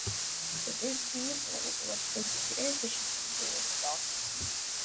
The dismissal was allegedly due to inefficiency during his office.